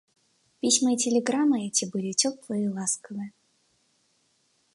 Письма и телеграммы эти были теплые и ласковые.